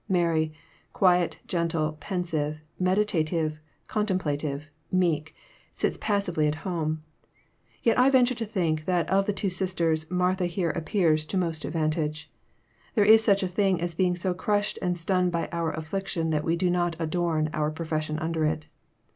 Mary— quiet, gentle, pensive, meditative, contemplative, meek— sits passively at home. Yet I venture to think that of the two sisters, Martha here appears to most advantage. There Is such a thing as being so crushed and stunned by our affliction that we do not adorn our profession under it.